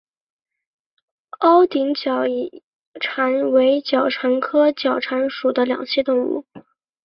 凹顶角蟾为角蟾科角蟾属的两栖动物。